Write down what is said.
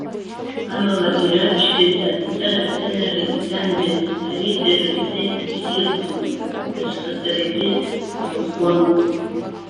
Амала ирабжьгаз адҵа рзынарыгӡандаз, ари дара рзы ибзиахон, рызхаҵарагьы арӷәӷәон.